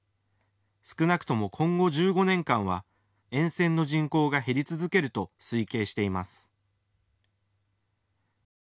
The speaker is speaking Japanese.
少なくとも今後１５年間は沿線の人口が減り続けると推計しています。